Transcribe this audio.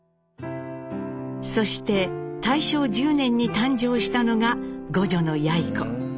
そして大正１０年に誕生したのが５女のやい子。